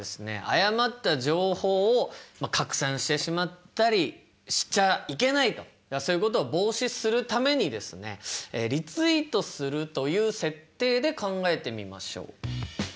誤った情報を拡散してしまったりしちゃいけないとそういうことを防止するためにですねリツイートするという設定で考えてみましょう。